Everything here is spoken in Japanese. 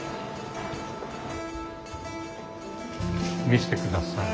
見してください。